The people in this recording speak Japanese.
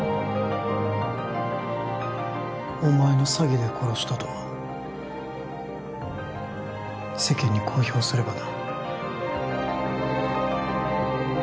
お前の詐欺で殺したと世間に公表すればな